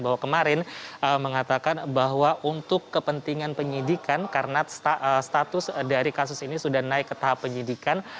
bahwa kemarin mengatakan bahwa untuk kepentingan penyidikan karena status dari kasus ini sudah naik ke tahap penyidikan